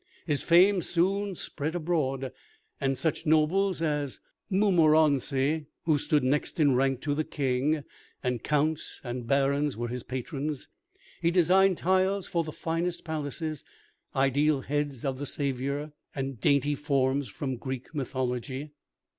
His fame soon spread abroad; and such nobles as Montmorenci, who stood next in rank to the King, and counts and barons, were his patrons. He designed tiles for the finest palaces, ideal heads of the Saviour, and dainty forms from Greek mythology.